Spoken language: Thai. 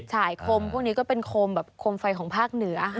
ใช่เข่ามันเป็นโคมไฟของภาพเหนือ